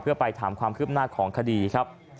เพื่อไปถามความคืบหน้าของคดีครับ